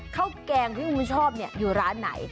ข้าวแกงที่คุณผู้ชอบเนี่ยอยู่ร้านไหน